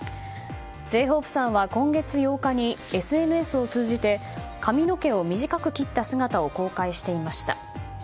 Ｊ‐ＨＯＰＥさんは今月８日にＳＮＳを通じて髪の毛を短く切った姿を公開していました。